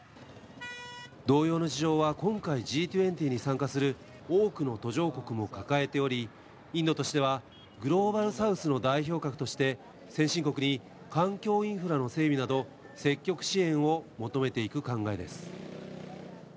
同様の事情は今回、Ｇ２０に参加する多くの途上国も抱えており、インドとしては、グローバルサウスの代表格として、先進国に環境インフラの整備など、積極支援を求めていく考えです。